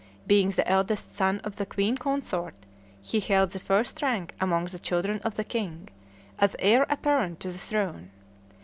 Being the eldest son of the queen consort, he held the first rank among the children of the king, as heir apparent to the throne.